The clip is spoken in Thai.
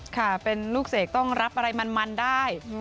ค่ะเป็นลูกเสกต้องรับอะไรมันได้